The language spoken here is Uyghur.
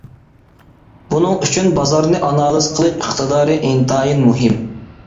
بۇنىڭ ئۈچۈن بازارنى ئانالىز قىلىش ئىقتىدارى ئىنتايىن مۇھىم.